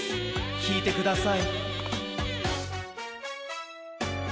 きいてください。